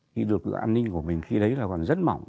khi được an ninh của mình khi đấy là còn rất mỏng